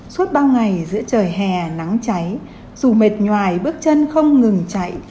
suốt bao ngày giữa trời hè nắng cháy dù mệt nhoài bước chân không ngừng chạy